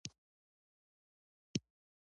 توره د پښتنو د تاریخي مبارزو نښه ده.